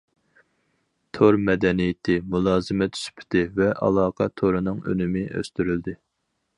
تور مەدەنىيىتى مۇلازىمەت سۈپىتى ۋە ئالاقە تورىنىڭ ئۈنۈمى ئۆستۈرۈلدى.